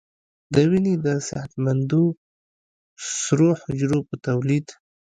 د وینې د صحتمندو سرو حجرو په تولید